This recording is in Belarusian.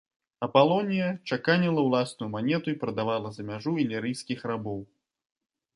Апалонія чаканіла ўласную манету і прадавала за мяжу ілірыйскіх рабоў.